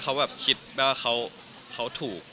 เขาแบบคิดไปว่าเขาถูก